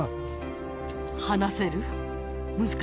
話せる？